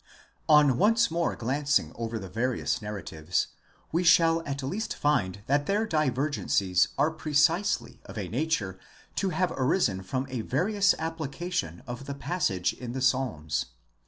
On once more glancing over the various narratives, we shall at least find that their divergencies are precisely of a nature to have arisen from a various application of the passage in the Psalms.